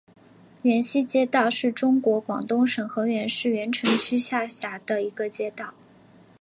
源西街道是中国广东省河源市源城区下辖的一个街道。